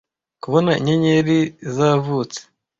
kubona inyenyeri zavutse